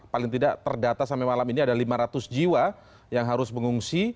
paling tidak terdata sampai malam ini ada lima ratus jiwa yang harus mengungsi